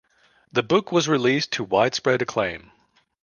The book was released to widespread acclaim.